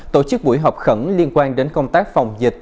tổ chức buổi họp khẩn liên quan đến công tác phòng dịch